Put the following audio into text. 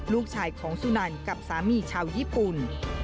ลูกชายของสุนันกับสามีชาวญี่ปุ่น